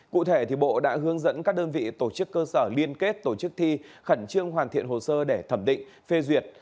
cụ thể bộ đã hướng dẫn các đơn vị tổ chức cơ sở liên kết tổ chức thi khẩn trương hoàn thiện hồ sơ để thẩm định phê duyệt